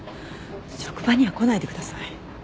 職場には来ないでください。